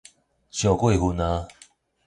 傷過份矣